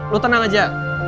lu tenang aja